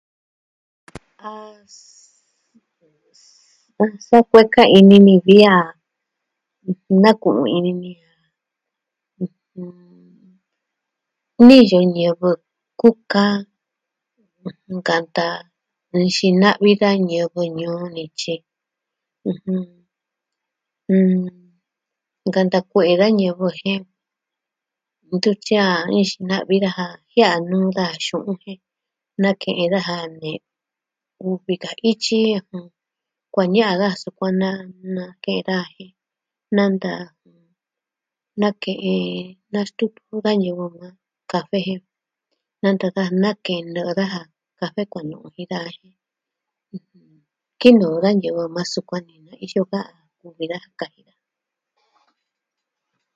A ss sa kueka ini ni vi a naku'u ini ni ɨjɨn niyo ñivɨ kuka nkanta nixina'vi da ñivɨ ñuu nityi. ɨjɨn ɨn. Nkanta kue'e da ñivɨ jen ntutyi a nxina'vi daja jiaa nuu da xu'un je nake'en daja ne uvi ka ityi kua ña da sukuan na nake da je nanta nake'en nastutu da ñivɨ va kafe je nanta da nakɨ'ɨn daja kafe kua nu'vi da ji. Kɨ'ɨn nɨ ra ñivɨ maa sukuan ni. Iyo va kuvi da kaji da